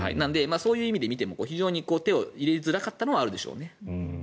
そういう意味で見ると非常に手を入れづらかったのはあるでしょうね。